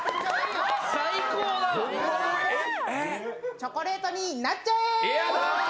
チョコレートになっちゃえ！